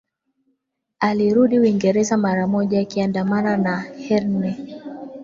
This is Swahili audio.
Alirudi Uingereza mara moja akiandamana na Hearne